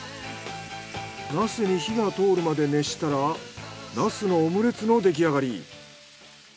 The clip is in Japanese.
ナスに火が通るまで熱したらナスのオムレツの出来上がり。